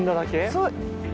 そう。